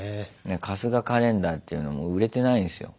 「春日カレンダー」っていうのも売れてないですよ。